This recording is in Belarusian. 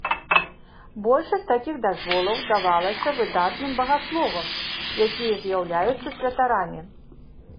Большасць такіх дазволаў давалася выдатным багасловам, якія з'яўляюцца святарамі.